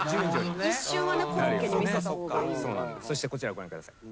そしてこちらご覧ください。